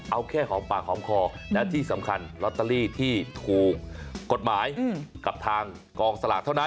เอาแค่หอมปากหอมคอและที่สำคัญลอตเตอรี่ที่ถูกกฎหมายกับทางกองสลากเท่านั้น